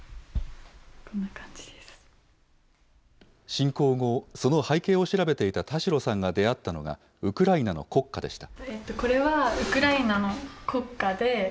侵攻後、その背景を調べていた田代さんが出会ったのが、ウクライナの国歌でした。